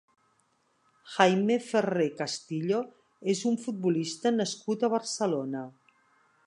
Jaime Ferrer Castillo és un futbolista nascut a Barcelona.